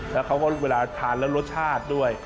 แล้วเขาก็เวลาทานแล้วรสชาติด้วย